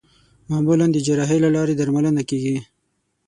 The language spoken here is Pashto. معمولا د جراحۍ له لارې درملنه کېږي.